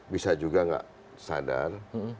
bisa juga gak sadar